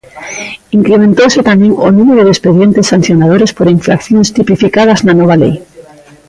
Incrementouse tamén o número de expedientes sancionadores por infraccións tipificadas na nova lei.